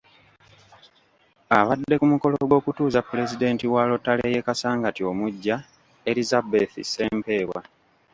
Abadde ku mukolo gw'okutuuza pulezidenti wa Rotary y'e Kasangati omuggya, Elizabeth Ssempebwa.